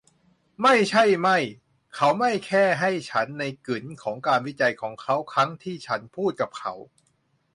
ไม่ใช่ไม่ เขาไม่แค่ให้ฉันในกึ๋นของการวิจัยของเขาในครั้งที่ฉันพูดกับเขา